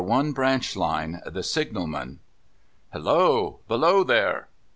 I BRANCH LINE : THE SIGNAL MAN * Halloa ! Below there